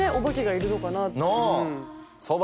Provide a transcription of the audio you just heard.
いるのかなって。なぁ！